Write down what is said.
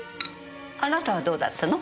あなたはどうだったの？